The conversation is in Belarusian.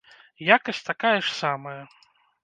Якасць такая ж самая.